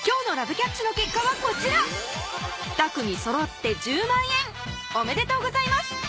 キャッチの結果はこちらふた組そろって１０万円おめでとうございます